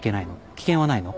危険はないの？